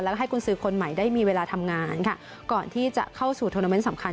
และให้กุญสือคนใหม่ได้มีเวลาทำงานค่ะก่อนที่จะเข้าสู่โทรเมนต์สำคัญ